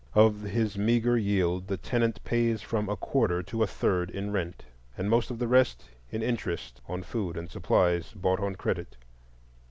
Of his meagre yield the tenant pays from a quarter to a third in rent, and most of the rest in interest on food and supplies bought on credit.